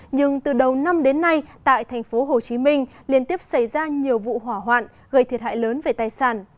nhưng từ đầu năm đến nay tại thành phố hồ chí minh liên tiếp xảy ra nhiều vụ hỏa hoạn gây thiệt hại lớn về tài sản